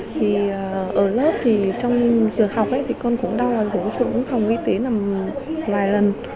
thì ở lớp thì trong giờ học thì con cũng đau và cũng không y tế làm vài lần